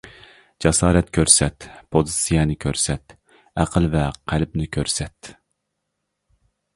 جاسارەت كۆرسەت ، پوزىتسىيەنى كۆرسەت ، ئەقىل ۋە قەلبنى كۆرسەت!